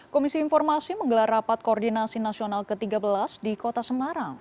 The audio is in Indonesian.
komisi informasi menggelar rapat koordinasi nasional ke tiga belas di kota semarang